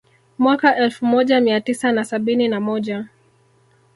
Mwaka elfu moja Mia tisa na sabini na moja